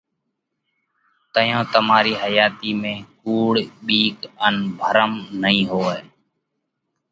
تئيون تمارِي حياتِي ۾ ڪُوڙ، ٻِيڪ ان ڀرم نئين هوئہ،